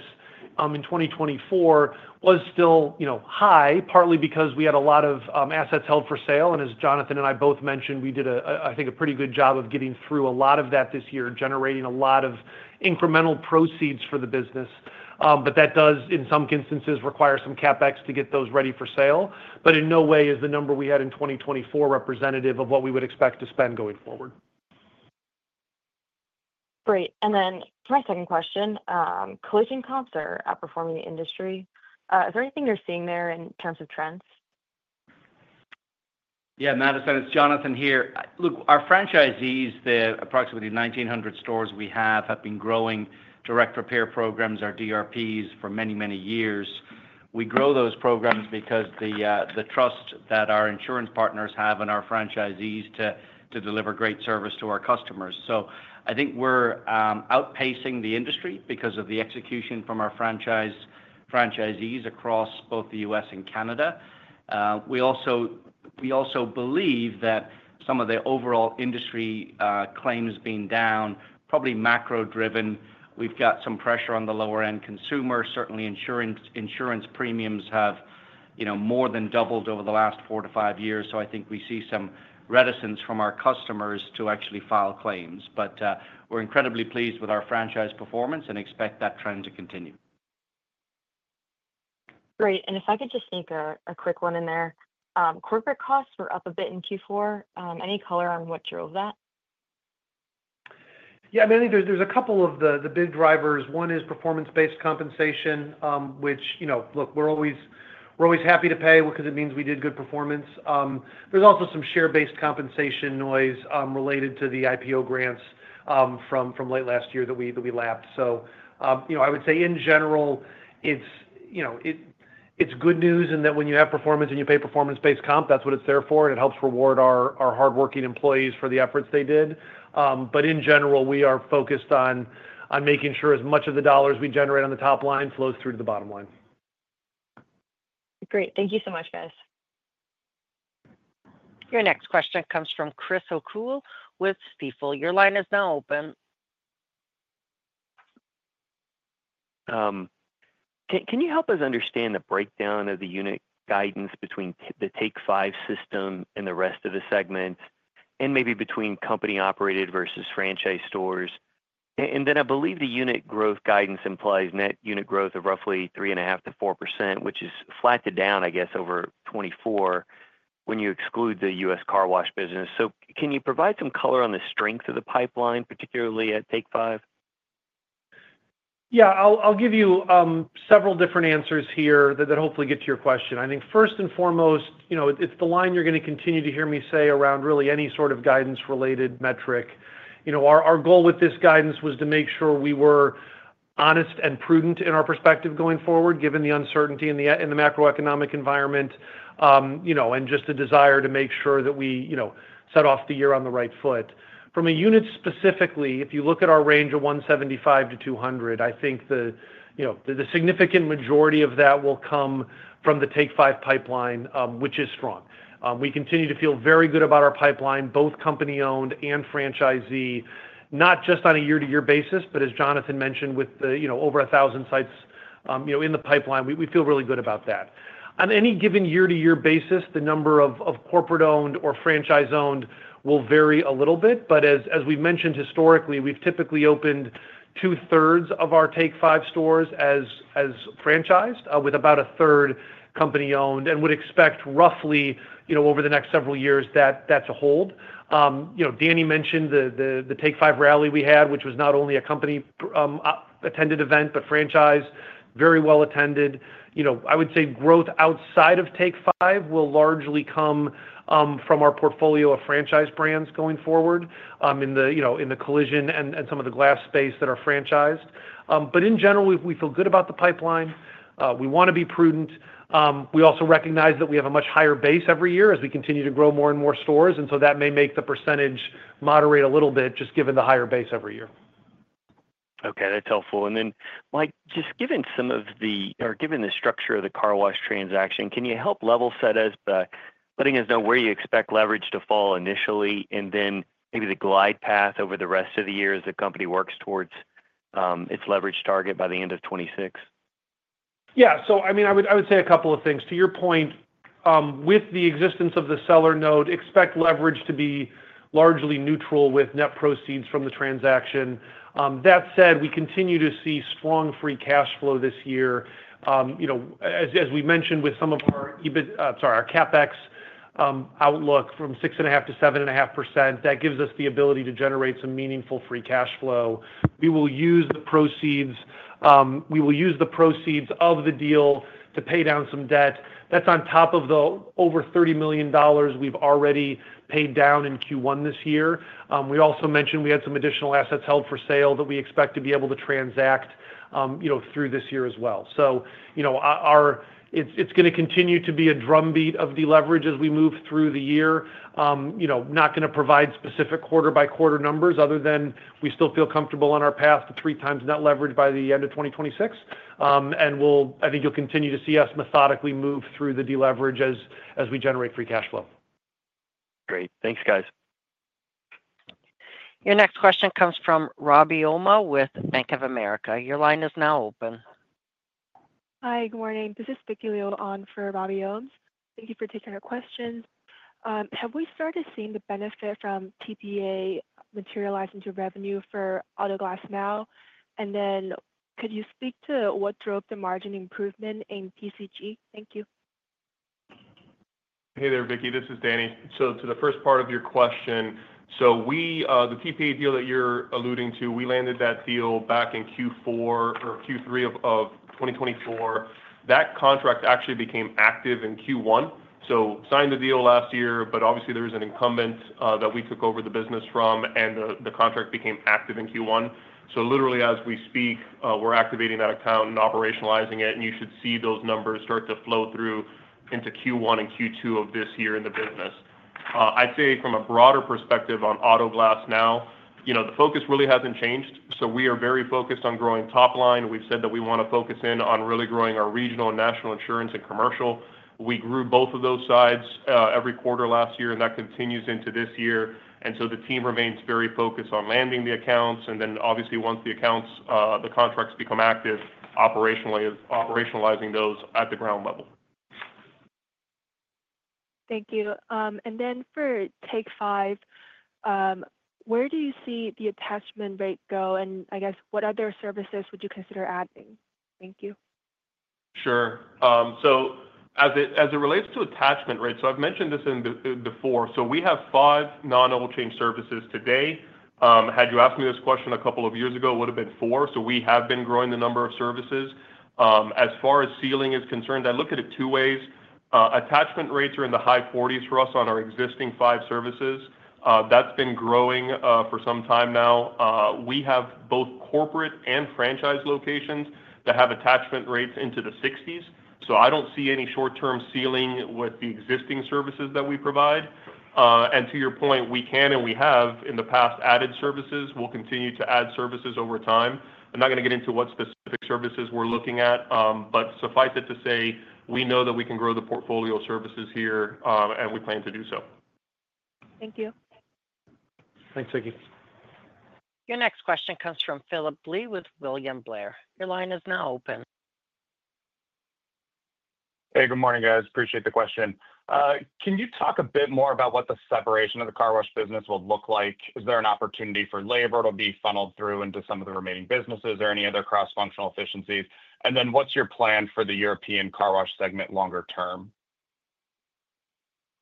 in 2024 was still high, partly because we had a lot of assets held for sale. And as Jonathan and I both mentioned, we did, I think, a pretty good job of getting through a lot of that this year, generating a lot of incremental proceeds for the business. But that does, in some instances, require some CapEx to get those ready for sale. But in no way is the number we had in 2024 representative of what we would expect to spend going forward. Great. And then my second question, collision comps are outperforming the industry. Is there anything you're seeing there in terms of trends? Yeah, Madison, it's Jonathan here. Look, our franchisees, the approximately 1,900 stores we have, have been growing direct repair programs, our DRPs, for many, many years. We grow those programs because the trust that our insurance partners have in our franchisees to deliver great service to our customers. So I think we're outpacing the industry because of the execution from our franchisees across both the U.S. and Canada. We also believe that some of the overall industry claims being down, probably macro-driven. We've got some pressure on the lower-end consumer. Certainly, insurance premiums have more than doubled over the last four to five years. So I think we see some reticence from our customers to actually file claims. But we're incredibly pleased with our franchise performance and expect that trend to continue. Great. And if I could just sneak a quick one in there, corporate costs were up a bit in Q4. Any color on what drove that? Yeah, I mean, I think there's a couple of the big drivers. One is performance-based compensation, which, look, we're always happy to pay because it means we did good performance. There's also some share-based compensation noise related to the IPO grants from late last year that we lapped. So I would say, in general, it's good news in that when you have performance and you pay performance-based comp, that's what it's there for, and it helps reward our hardworking employees for the efforts they did. But in general, we are focused on making sure as much of the dollars we generate on the top line flows through to the bottom line. Great. Thank you so much, guys. Your next question comes from Chris O'Cull with Stifel. Your line is now open. Can you help us understand the breakdown of the unit guidance between the Take 5 system and the rest of the segment, and maybe between company-operated versus franchise stores? And then I believe the unit growth guidance implies net unit growth of roughly 3.5%-4%, which is flattened down, I guess, over 2024 when you exclude the U.S. car wash business. So can you provide some color on the strength of the pipeline, particularly at Take 5? Yeah, I'll give you several different answers here that hopefully get to your question. I think first and foremost, it's the line you're going to continue to hear me say around really any sort of guidance-related metric. Our goal with this guidance was to make sure we were honest and prudent in our perspective going forward, given the uncertainty in the macroeconomic environment and just a desire to make sure that we set off the year on the right foot. From a unit specifically, if you look at our range of 175-200, I think the significant majority of that will come from the Take 5 pipeline, which is strong. We continue to feel very good about our pipeline, both company-owned and franchisee, not just on a year-to-year basis, but as Jonathan mentioned, with over 1,000 sites in the pipeline, we feel really good about that. On any given year-to-year basis, the number of corporate-owned or franchise-owned will vary a little bit, but as we mentioned, historically, we've typically opened two-thirds of our Take 5 stores as franchised, with about a third company-owned, and would expect roughly over the next several years that to hold. Danny mentioned the Take 5 rally we had, which was not only a company-attended event, but franchised, very well attended. I would say growth outside of Take 5 will largely come from our portfolio of franchise brands going forward in the collision and some of the glass space that are franchised. But in general, we feel good about the pipeline. We want to be prudent. We also recognize that we have a much higher base every year as we continue to grow more and more stores. And so that may make the percentage moderate a little bit just given the higher base every year. Okay. That's helpful. And then, Mike, just given some of the or given the structure of the car wash transaction, can you help level set us by letting us know where you expect leverage to fall initially and then maybe the glide path over the rest of the year as the company works towards its leverage target by the end of 2026? Yeah. So I mean, I would say a couple of things. To your point, with the existence of the seller note, expect leverage to be largely neutral with net proceeds from the transaction. That said, we continue to see strong free cash flow this year. As we mentioned, with some of our EBIT, sorry, our CapEx outlook from 6.5%-7.5%, that gives us the ability to generate some meaningful free cash flow. We will use the proceeds, we will use the proceeds of the deal to pay down some debt. That's on top of the over $30 million we've already paid down in Q1 this year. We also mentioned we had some additional assets held for sale that we expect to be able to transact through this year as well. So it's going to continue to be a drumbeat of deleverage as we move through the year. Not going to provide specific quarter-by-quarter numbers other than we still feel comfortable on our path to three times net leverage by the end of 2026. And I think you'll continue to see us methodically move through the deleverage as we generate free cash flow. Great. Thanks, guys. Your next question comes from Robbie Ohmes with Bank of America. Your line is now open. Hi. Good morning. This is Bixley Liu on for Robbie Ohmes. Thank you for taking our questions. Have we started seeing the benefit from TPA materializing to revenue for Autoglass Now? And then could you speak to what drove the margin improvement in PCG? Thank you. Hey there, Bixley. This is Danny. So to the first part of your question, so the TPA deal that you're alluding to, we landed that deal back in Q4 or Q3 of 2024. That contract actually became active in Q1. So signed the deal last year, but obviously, there is an incumbent that we took over the business from, and the contract became active in Q1. So literally, as we speak, we're activating that account and operationalizing it, and you should see those numbers start to flow through into Q1 and Q2 of this year in the business. I'd say from a broader perspective on Autoglass Now, the focus really hasn't changed. So we are very focused on growing top line. We've said that we want to focus in on really growing our regional and national insurance and commercial. We grew both of those sides every quarter last year, and that continues into this year. And so the team remains very focused on landing the accounts. And then obviously, once the accounts, the contracts become active, operationalizing those at the ground level. Thank you. And then for Take 5, where do you see the attachment rate go? And I guess, what other services would you consider adding? Thank you. Sure. So as it relates to attachment rates, so I've mentioned this before. So we have five non-oil change services today. Had you asked me this question a couple of years ago, it would have been four. So we have been growing the number of services. As far as ceiling is concerned, I look at it two ways. Attachment rates are in the high 40s for us on our existing five services. That's been growing for some time now. We have both corporate and franchise locations that have attachment rates into the 60s. So I don't see any short-term ceiling with the existing services that we provide. And to your point, we can and we have in the past added services. We'll continue to add services over time. I'm not going to get into what specific services we're looking at, but suffice it to say, we know that we can grow the portfolio of services here, and we plan to do so. Thank you. Thanks, Bixley. Your next question comes from Philip Lee with William Blair. Your line is now open. Hey, good morning, guys. Appreciate the question. Can you talk a bit more about what the separation of the car wash business will look like? Is there an opportunity for labor to be funneled through into some of the remaining businesses or any other cross-functional efficiencies? And then what's your plan for the European car wash segment longer term?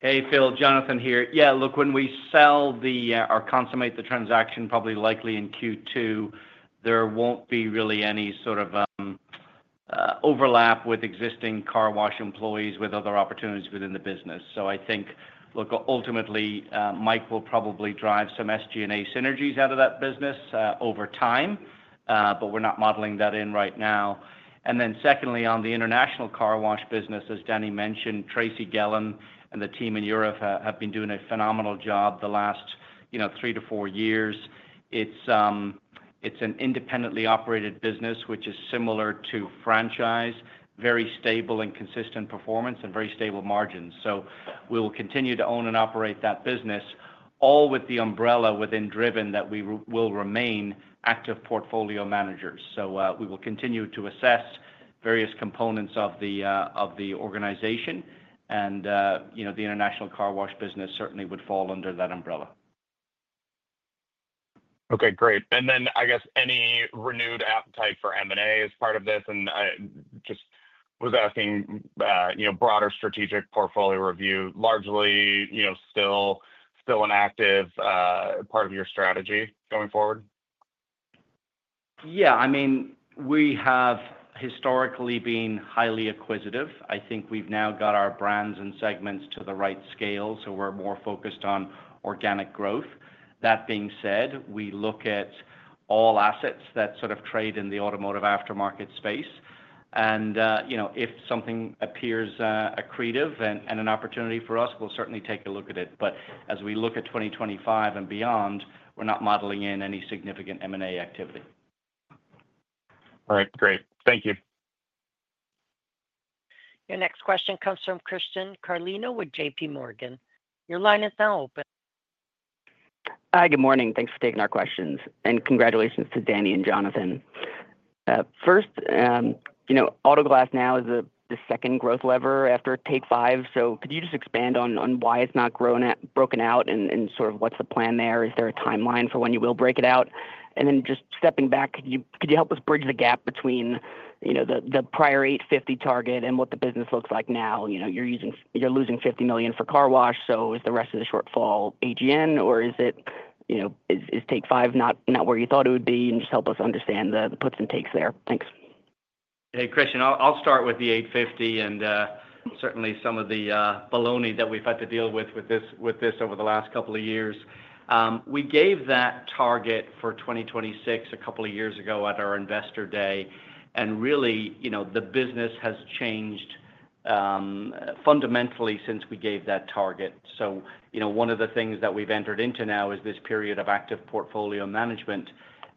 Hey, Phil. Jonathan here. Yeah, look, when we sell or consummate the transaction, probably in Q2, there won't be really any sort of overlap with existing car wash employees with other opportunities within the business. So I think, look, ultimately, Mike will probably drive some SG&A synergies out of that business over time, but we're not modeling that in right now. And then secondly, on the international car wash business, as Danny mentioned, Tracy Gillon and the team in Europe have been doing a phenomenal job the last three to four years. It's an independently operated business, which is similar to franchise, very stable and consistent performance, and very stable margins. So we will continue to own and operate that business, all with the umbrella within Driven that we will remain active portfolio managers. So we will continue to assess various components of the organization, and the international car wash business certainly would fall under that umbrella. Okay. Great. And then I guess any renewed appetite for M&A as part of this? And I just was asking broader strategic portfolio review, largely still an active part of your strategy going forward? Yeah. I mean, we have historically been highly acquisitive. I think we've now got our brands and segments to the right scale, so we're more focused on organic growth. That being said, we look at all assets that sort of trade in the automotive aftermarket space. And if something appears accretive and an opportunity for us, we'll certainly take a look at it. But as we look at 2025 and beyond, we're not modeling in any significant M&A activity. All right. Great. Thank you. Your next question comes from Christian Carlino with JPMorgan. Your line is now open. Hi. Good morning. Thanks for taking our questions. And congratulations to Danny and Jonathan. First, Autoglass Now is the second growth lever after Take Five. So could you just expand on why it's not broken out and sort of what's the plan there? Is there a timeline for when you will break it out? And then just stepping back, could you help us bridge the gap between the prior $850 target and what the business looks like now? You're losing $50 million for car wash. So is the rest of the shortfall AGN, or is Take Five not where you thought it would be? And just help us understand the puts and takes there. Thanks. Hey, Christian, I'll start with the $850 and certainly some of the baloney that we've had to deal with with this over the last couple of years. We gave that target for 2026 a couple of years ago at our investor day, and really the business has changed fundamentally since we gave that target. So one of the things that we've entered into now is this period of active portfolio management.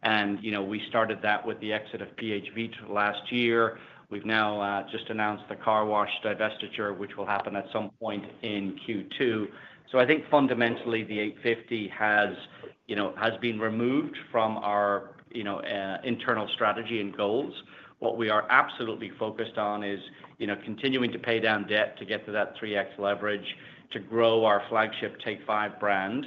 And we started that with the exit of PH Vitres last year. We've now just announced the car wash divestiture, which will happen at some point in Q2. So I think fundamentally the 850 has been removed from our internal strategy and goals. What we are absolutely focused on is continuing to pay down debt to get to that 3x leverage to grow our flagship Take 5 brand.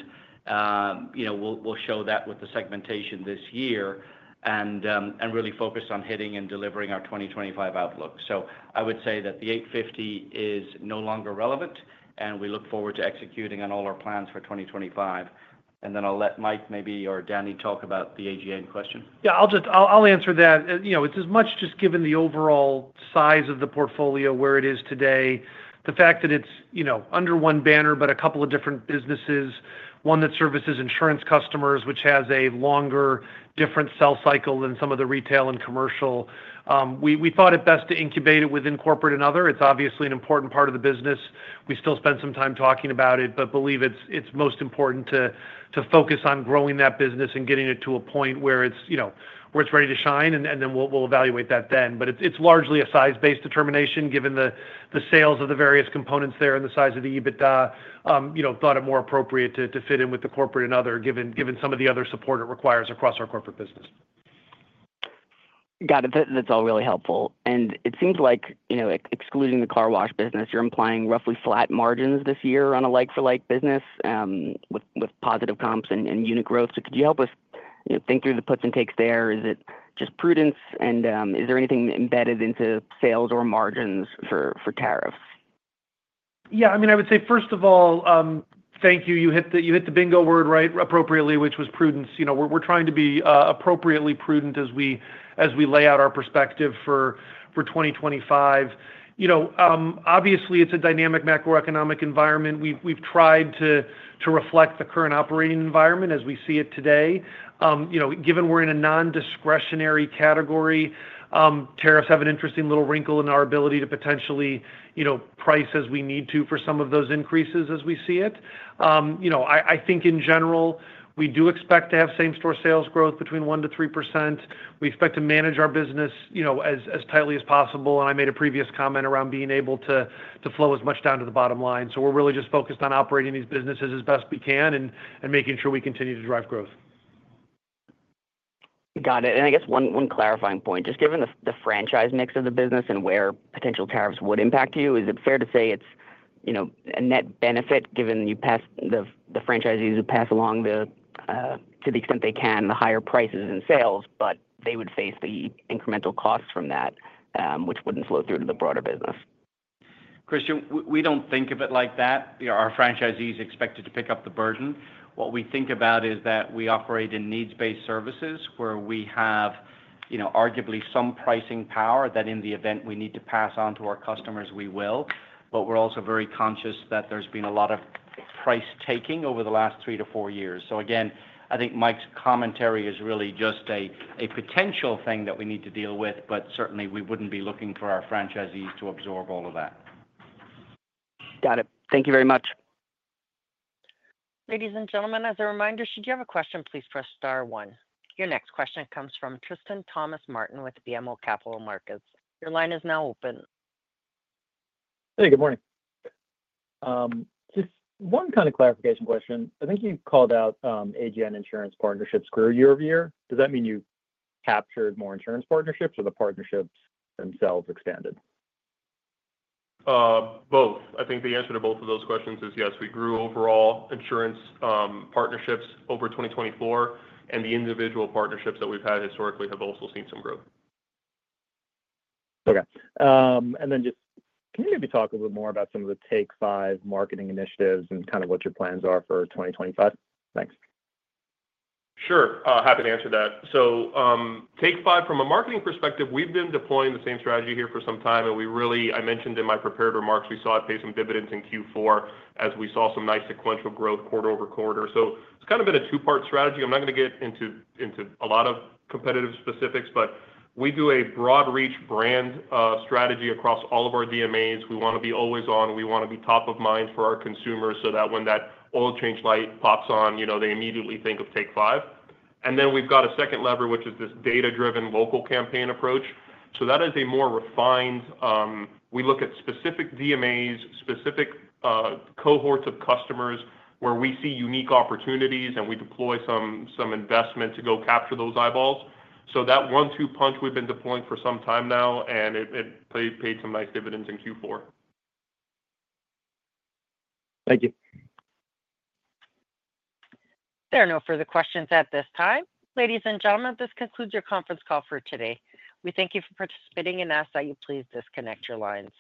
We'll show that with the segmentation this year and really focus on hitting and delivering our 2025 outlook. So I would say that the 850 is no longer relevant, and we look forward to executing on all our plans for 2025. And then I'll let Mike maybe or Danny talk about the AGN question. Yeah. I'll answer that. It's as much just given the overall size of the portfolio where it is today, the fact that it's under one banner, but a couple of different businesses, one that services insurance customers, which has a longer different sales cycle than some of the retail and commercial. We thought it best to incubate it within corporate and other. It's obviously an important part of the business. We still spend some time talking about it, but believe it's most important to focus on growing that business and getting it to a point where it's ready to shine, and then we'll evaluate that then. But it's largely a size-based determination given the sales of the various components there and the size of the EBITDA. Thought it more appropriate to fit in with the corporate and other given some of the other support it requires across our corporate business. Got it. That's all really helpful. And it seems like excluding the car wash business, you're implying roughly flat margins this year on a like-for-like business with positive comps and unit growth. So could you help us think through the puts and takes there? Is it just prudence, and is there anything embedded into sales or margins for tariffs? Yeah. I mean, I would say, first of all, thank you. You hit the bingo word right appropriately, which was prudence. We're trying to be appropriately prudent as we lay out our perspective for 2025. Obviously, it's a dynamic macroeconomic environment. We've tried to reflect the current operating environment as we see it today. Given we're in a non-discretionary category, tariffs have an interesting little wrinkle in our ability to potentially price as we need to for some of those increases as we see it. I think in general, we do expect to have same-store sales growth between 1% to 3%. We expect to manage our business as tightly as possible. And I made a previous comment around being able to flow as much down to the bottom line. So we're really just focused on operating these businesses as best we can and making sure we continue to drive growth. Got it. And I guess one clarifying point. Just given the franchise mix of the business and where potential tariffs would impact you, is it fair to say it's a net benefit given the franchisees who pass along to the extent they can the higher prices and sales, but they would face the incremental costs from that, which wouldn't flow through to the broader business? Christian, we don't think of it like that. Our franchisees expect to pick up the burden. What we think about is that we operate in needs-based services where we have arguably some pricing power that in the event we need to pass on to our customers, we will. But we're also very conscious that there's been a lot of price-taking over the last three to four years. So again, I think Mike's commentary is really just a potential thing that we need to deal with, but certainly we wouldn't be looking for our franchisees to absorb all of that. Got it. Thank you very much. Ladies and gentlemen, as a reminder, should you have a question, please press * one. Your next question comes from Tristan Thomas-Martin with BMO Capital Markets. Your line is now open. Hey, good morning. Just one kind of clarification question. I think you called out AGN insurance partnerships grew year over year. Does that mean you captured more insurance partnerships or the partnerships themselves expanded? Both. I think the answer to both of those questions is yes, we grew overall insurance partnerships over 2024, and the individual partnerships that we've had historically have also seen some growth. Okay. And then just can you maybe talk a little bit more about some of the Take 5 marketing initiatives and kind of what your plans are for 2025? Thanks. Sure. Happy to answer that. So Take 5, from a marketing perspective, we've been deploying the same strategy here for some time. And I mentioned in my prepared remarks, we saw it pay some dividends in Q4 as we saw some nice sequential growth quarter over quarter. So it's kind of been a two-part strategy. I'm not going to get into a lot of competitive specifics, but we do a broad-reach brand strategy across all of our DMAs. We want to be always on. We want to be top of mind for our consumers so that when that oil change light pops on, they immediately think of Take 5. And then we've got a second lever, which is this data-driven local campaign approach. So that is a more refined. We look at specific DMAs, specific cohorts of customers where we see unique opportunities, and we deploy some investment to go capture those eyeballs. So that one-two punch, we've been deploying for some time now, and it paid some nice dividends in Q4. Thank you. There are no further questions at this time. Ladies and gentlemen, this concludes your conference call for today. We thank you for participating and ask that you please disconnect your lines.